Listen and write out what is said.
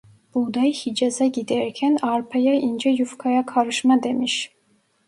Buğday Hicaz'a giderken arpaya ince yufkaya karışma demiş.